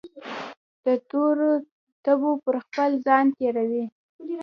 دتورو تبو پرخپل ځان تیروي